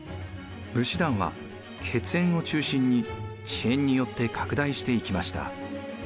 武士団は血縁を中心に地縁によって拡大していきました。